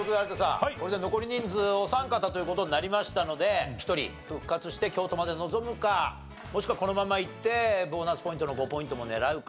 これで残り人数お三方という事になりましたので１人復活して京都まで臨むかもしくはこのままいってボーナスポイントの５ポイントも狙うか。